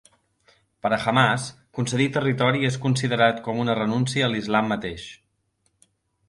Per a Hamàs, concedir territori és considerat com una renúncia a l'islam mateix.